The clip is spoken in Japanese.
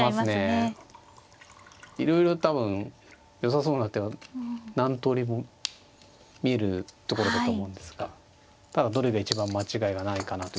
いろいろ多分よさそうな手は何通りも見えるところだと思うんですがただどれが一番間違いがないかなというか。